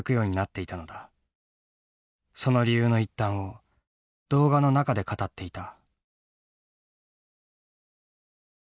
その理由の一端を動画の中で語っていた。